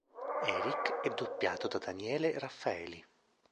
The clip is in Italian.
Erik è doppiato da Daniele Raffaeli.